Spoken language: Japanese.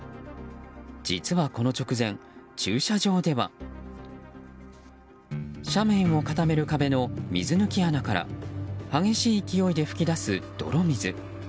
実はこの直前、駐車場では斜面を固める壁の水抜き穴から激しい勢いで噴き出す泥水。